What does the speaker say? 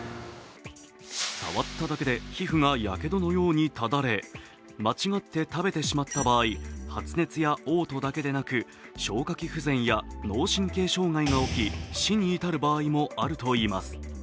触っただけで皮膚がやけどのようにただれ、間違って食べてしまった場合、発熱やおう吐だけでなく消化器障害や死に至る場合もあるといいます。